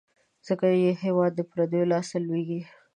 ځکه یې هیواد د پردیو لاس ته لوېږي.